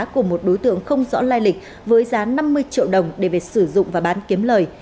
của một đối tượng không rõ lai lịch với giá năm mươi triệu đồng để về sử dụng và bán kiếm lời